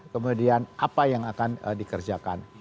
kemudian apa yang harus kita lakukan